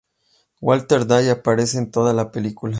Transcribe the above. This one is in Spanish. Walter Day aparece en toda la película.